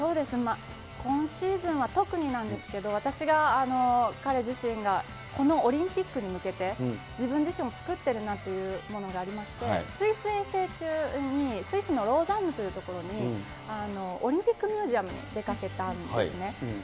今シーズンは特になんですけど、私が、彼自身がこのオリンピックに向けて、自分自身を作ってるなというものがありまして、スイス遠征中に、スイスのローザンヌという所に、オリンピックミュージアムに出かけたんですね。